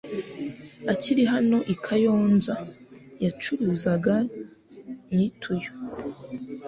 akiri hano i Kayonza yacuruzaga mituyu